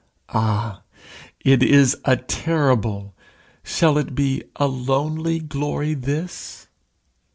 Ah! it is a terrible shall it be a lonely glory this?